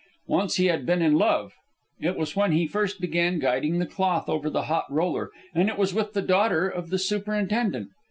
Once he had been in love. It was when he first began guiding the cloth over the hot roller, and it was with the daughter of the superintendent.